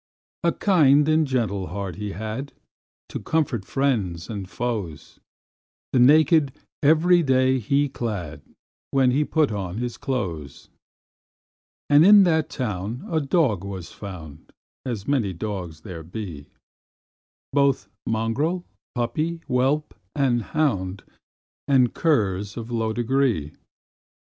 A kind and gentle heart he had, To comfort friends and foes; The naked every day he clad, When he put on his clothes. And in that town a dog was found, As many dogs there be, Both mongrel, puppy, whelp, and hound, And curs of low degree.